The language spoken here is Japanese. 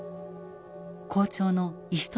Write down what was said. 校長の石飛